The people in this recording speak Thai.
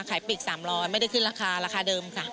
ปีก๓๐๐ไม่ได้ขึ้นราคาราคาเดิมค่ะ